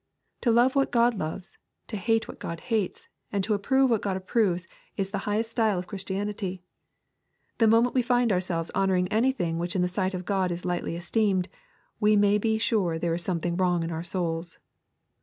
To love what God loves, to hate what God hates, and to approve what God approves, is the highest style of Christianity. The moment we find ourselves honoring anything which in the sight of God is lightly esteemed, we may be sure there is something wrong in our souls.